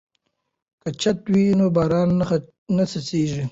که چت وي نو باران نه څڅیږي.